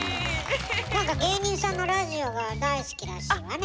なんか芸人さんのラジオが大好きらしいわね。